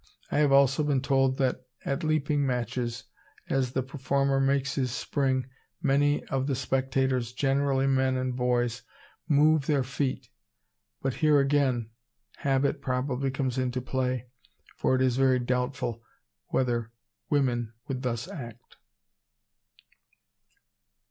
I have also been told that at leaping matches, as the performer makes his spring, many of the spectators, generally men and boys, move their feet; but here again habit probably comes into play, for it is very doubtful whether women would thus act.